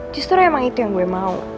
justru emang itu yang gue mau